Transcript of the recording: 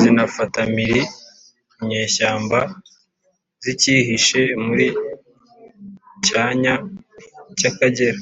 zinafata mpiri inyeshyamba zicyihishe muri cyanya cy'akagera.